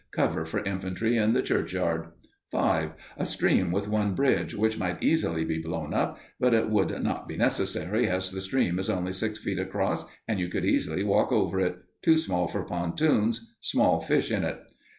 Cover for infantry in the churchyard._ 5. _A stream with one bridge, which might easily be blown up; but it would not be necessary, as the stream is only six feet across, and you could easily walk over it. Too small for pontoons. Small fish in it.